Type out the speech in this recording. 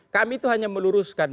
kami itu hanya meluruskan